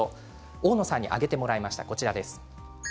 大野さんに挙げてもらいました。